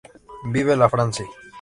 Vive la France!